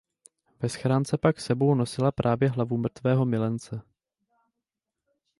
Ve schránce pak s sebou nosila právě hlavu mrtvého milence.